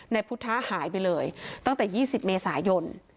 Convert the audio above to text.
พุทธหายไปเลยตั้งแต่๒๐เมษายน